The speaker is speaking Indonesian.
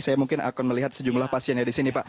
saya mungkin akan melihat sejumlah pasien yang ada di sini pak